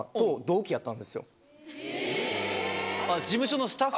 あっ事務所のスタッフ？